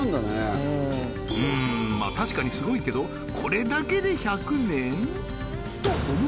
うん確かにすごいけどこれだけで１００年？